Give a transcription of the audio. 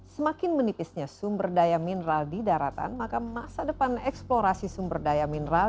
semakin menipisnya sumber daya mineral di daratan maka masa depan eksplorasi sumber daya mineral